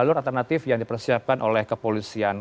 jalur alternatif yang dipersiapkan oleh kepolisian